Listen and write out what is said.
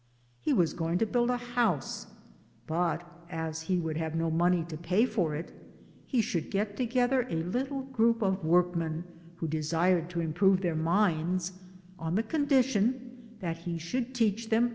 He was going to build a house but as he would have no money to pay for it, he should get together a little group of workmen, (who desired to improve their minds) on the condi tion that he should teach them.'